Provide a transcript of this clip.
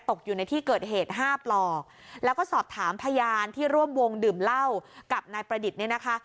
อยู่ในที่เกิดเหตุห้าปลอกแล้วก็สอบถามพยานที่ร่วมวงดื่มเหล้ากับนายประดิษฐ์เนี่ยนะคะ